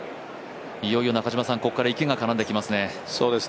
いよいよここから池が絡んできますね。